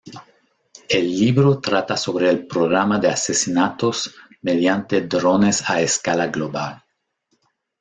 El libro trata sobre el programa de asesinatos mediante drones a escala global.